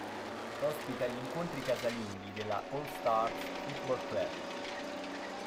Ospita gli incontri casalinghi della All Stars Football Club.